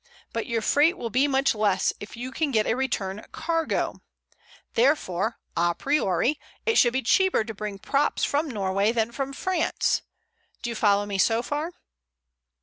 But your freight will be much less if you can get a return cargo. Therefore, a priori, it should be cheaper to bring props from Norway than from France. Do you follow me so far?"